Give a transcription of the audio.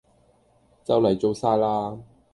就嚟做晒喇